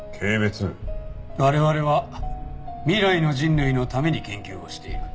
我々は未来の人類のために研究をしている。